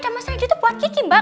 dan mas reddy itu buat kiki mbak